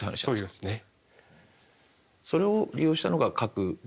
そうですね。